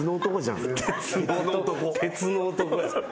鉄の男や。